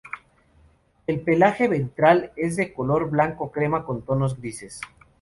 El pelaje ventral es de color blanco crema, con tonos grises.